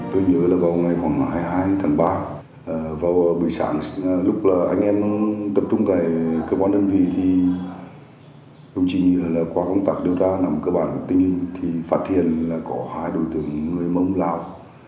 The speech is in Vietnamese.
tôi nhớ là vào ngày hai mươi hai tháng ba vào buổi sáng lúc là anh em tập trung tại cơ quan đơn vị thì công trình như là qua công tác điều tra nằm cơ bản tình hình thì phát hiện là có hai đối tượng người mông lào